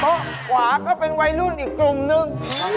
ขวาก็เป็นวัยรุ่นอีกกลุ่มนึง